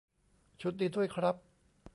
ชุดนี้ด้วยครับ